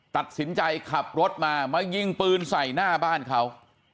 ตัดสินใจขับรถมามายิงปืนใส่หน้าบ้านเขา